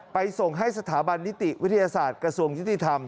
ส่งให้สถาบันนิติวิทยาศาสตร์กระทรวงยุติธรรม